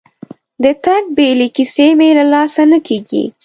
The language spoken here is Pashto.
د تګ بیلې کیسې مې له لاسه نه کېږي.